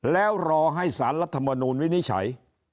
แล้วรอให้สารรัฐมนูลวินิจฉัย